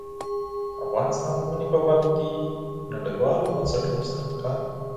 افغانستان د منی په برخه کې نړیوالو بنسټونو سره کار کوي.